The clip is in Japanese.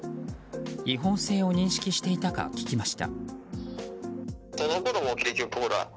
違法性を認識していたか聞きました。